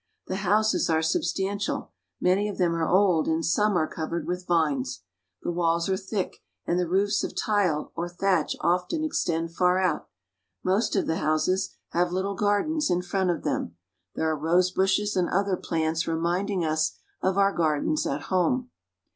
The houses are substantial. Many of them are old, and some are covered with vines. The walls are thick, and the roofs of tile or thatch often extend far out. Most of the houses have little gardens in CARP. EUROPE — 4 54 ENGLAND. front of them. There are rose bushes and other plants reminding us of our gardens at home.